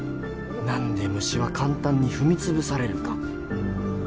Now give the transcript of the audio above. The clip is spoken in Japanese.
何で虫は簡単に踏みつぶされるか